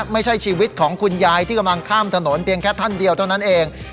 ไม่ใช่ชีวิตของคุณยายที่กำลังข้ามถนนเพียงแค่ท่านเดียวเท่านั้นเอง